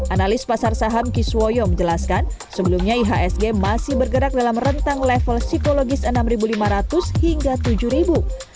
analis pasar saham kiswoyo menjelaskan sebelumnya ihsg masih bergerak dalam rentang level psikologis rp enam lima ratus hingga rp tujuh